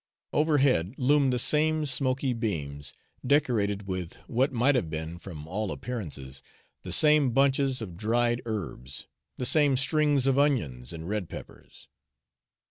Overhead loomed the same smoky beams, decorated with what might have been, from all appearances, the same bunches of dried herbs, the same strings of onions and red peppers.